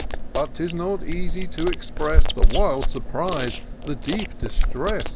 But 'tis not easy to express The wild surprise, the deep distress.